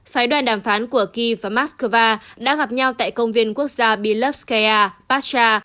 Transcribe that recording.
phái đoàn đàm phán của kiev và moscow đã gặp nhau tại công viên quốc gia bilovskaya pascha